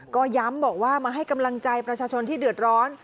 ก็ย้ำบอกว่ามาให้กำลังใจประชาชนที่เดือดร้อน